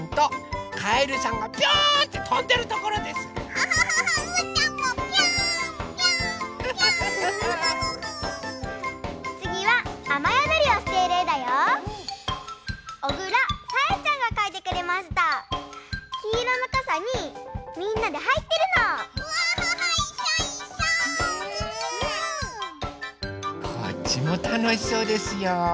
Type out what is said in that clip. こっちもたのしそうですよ。